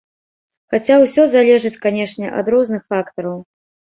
Хаця ўсё залежыць, канечне, ад розных фактараў.